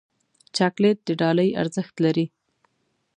چاکلېټ د ډالۍ ارزښت لري.